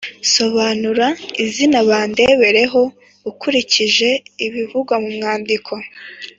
sobanura izina bandebereho ukurikije ibivugwa mu mwandiko.